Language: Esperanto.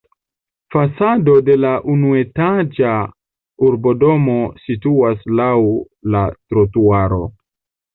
Fasado de la unuetaĝa urbodomo situas laŭ la trotuaro.